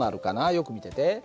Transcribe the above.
よく見てて。